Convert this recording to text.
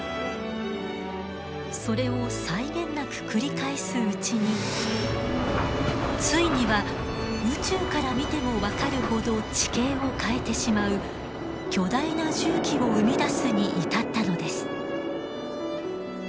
それを際限なく繰り返すうちについには宇宙から見ても分かるほど地形を変えてしまう巨大な重機を生み出すに至ったのです。